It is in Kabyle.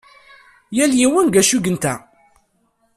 Yal yiwen deg wacu i yenta.